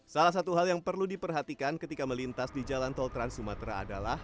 salah satu hal yang perlu diperhatikan ketika melintas di jalan tol trans sumatera adalah